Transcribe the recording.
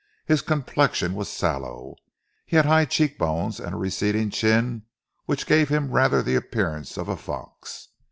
His complexion was sallow; he had high cheekbones and a receding chin, which gave him rather the appearance of a fox.